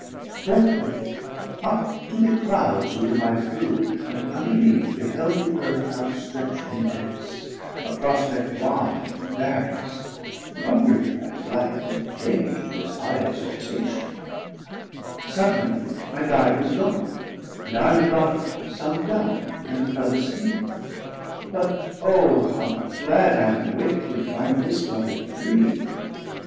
Forthwith up to the Clouds With him I flew, and underneath beheld The Earth outstretcht immense, a prospect wide And various: wondring at my flight and change To this high exaltation; suddenly 90 My Guide was gon, and I, me thought, sunk down, And fell asleep; but O how glad I wak'd To find this but a dream!